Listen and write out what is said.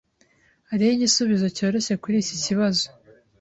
Hariho igisubizo cyoroshye kuri iki kibazo.